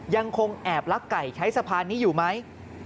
ยังคงแอบลักไก่ใช้สะพานนี้อยู่ไหม